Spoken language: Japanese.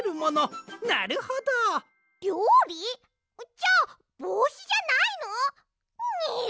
じゃあぼうしじゃないの？にゅ。